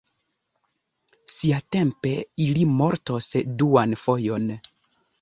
Siatempe ili mortos duan fojon.